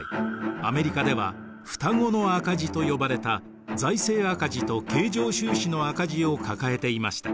アメリカでは双子の赤字と呼ばれた財政赤字と経常収支の赤字を抱えていました。